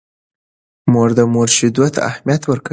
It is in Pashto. مور د مور شیدو ته اهمیت ورکوي.